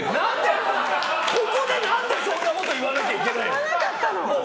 ここで何で、そんなこと言わなきゃいけないの？